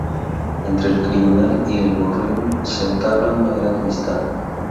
Entre el criminal y el gorrión se entabla una gran amistad.